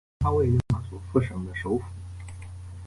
它位于马佐夫舍省的首府。